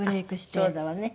あっそうだわね。